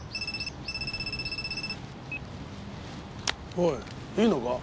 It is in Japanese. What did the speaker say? おいいいのか？